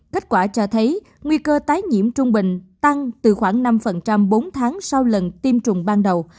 kết quả cho thấy nguy cơ tái nhiễm trung bình tăng từ khoảng năm bốn tháng sau lần tiêm chủng ban đầu